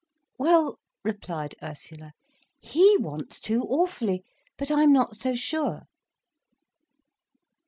"Well," replied Ursula, "He wants to, awfully, but I'm not so sure."